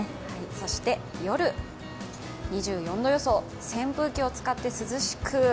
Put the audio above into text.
そして夜、２４度予想扇風機を使って涼しく。